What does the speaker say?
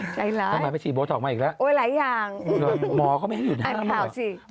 ใจร้ายโอ๊ยหลายอย่างอันเขาสิทำไมไปฉีดโบทกมาอีกแล้ว